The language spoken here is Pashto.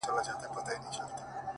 هينداره وي چي هغه راسي خو بارانه نه يې؛